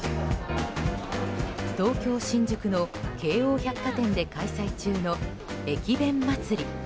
東京・新宿の京王百貨店で開催中の駅弁祭り。